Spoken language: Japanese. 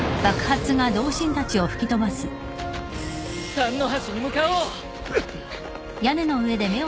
三の橋に向かおう！